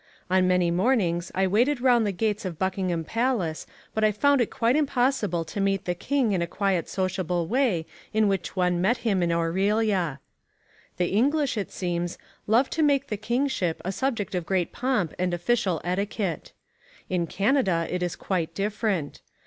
On many mornings I waited round the gates of Buckingham Palace but I found it quite impossible to meet the King in the quiet sociable way in which one met him in Orillia. The English, it seems, love to make the kingship a subject of great pomp and official etiquette. In Canada it is quite different.